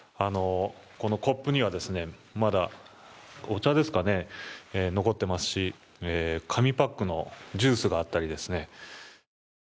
コップにはまだお茶ですかね、残っていますし紙パックのジュースがあったりですね。